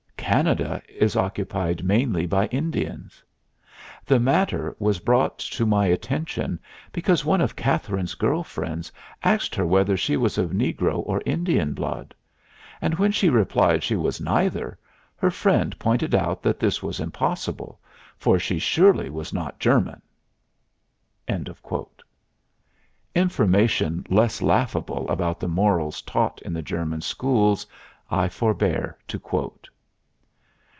Canada is occupied mainly by Indians. The matter was brought to my attention because one of Katherine's girl friends asked her whether she was of negro or Indian blood; and when she replied she was neither her friend pointed out that this was impossible for she surely was not German." Information less laughable about the morals taught in the German schools I forbear to quote.